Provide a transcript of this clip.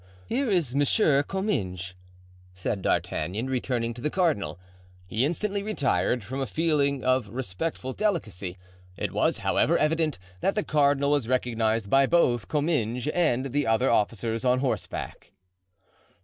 "Here is Monsieur Comminges," said D'Artagnan, returning to the cardinal. He instantly retired, from a feeling of respectful delicacy; it was, however, evident that the cardinal was recognized by both Comminges and the other officers on horseback.